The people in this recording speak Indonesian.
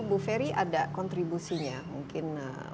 bu ferry ada kontribusinya mungkin